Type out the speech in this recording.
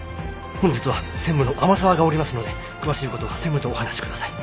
本日は専務の天沢がおりますので詳しいことは専務とお話しください。